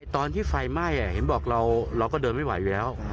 ตอนที่ไฟไหม้เห็นบอกเราก็เดินไม่ไหวอยู่แล้ว